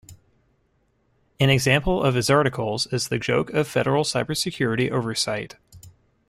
An example of his articles is "The Joke of Federal Cybersecurity Oversight".